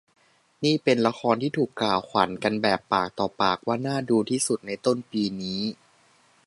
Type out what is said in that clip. นี่เป็นละครที่ถูกกล่าวขวัญกันแบบปากต่อปากว่าน่าดูที่สุดในต้นปีนี้